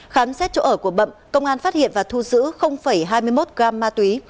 khám xét chỗ ở của bậm công an phát hiện và thu giữ hai mươi một gam ma túy